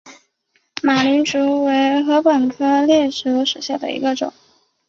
马岭竹为禾本科簕竹属下的一个种。